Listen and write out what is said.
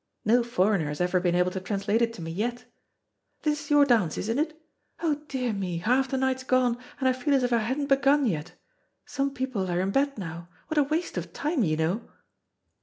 No foreigner has ever been able to translate it to me yet. This is your dance, isn't it? O dear me, half the night's gone, and I feel as if I hadn't begun yet. Some people are in bed now; what a waste of time, you know."